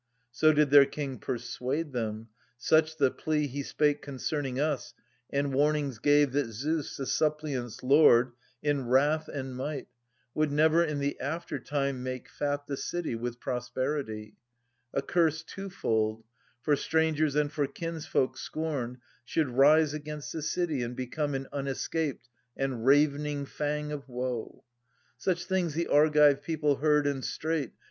So did their king persuade them, such the plea He spake concerning us, and warnings gave That Zeus, the suppliants' lord, in wrath and might, Would never in the aftertime make fat The city with prosperity : a curse Twofold, for strangers and for kinsfolk scorned, Should rise against the city, and become An unescaped and ravening fang of woe. Such things the Argive people heard, and straight.